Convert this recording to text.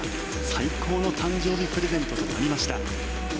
最高の誕生日プレゼントとなりました。